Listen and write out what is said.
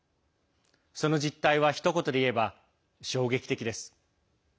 その実態は、ひと言で言えば衝撃的です。